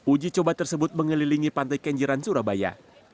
uji coba tersebut mengelilingi pantai kenjeran surabaya